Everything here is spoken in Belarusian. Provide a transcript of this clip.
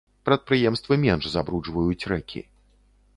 Прадпрыемствы менш забруджваюць рэкі.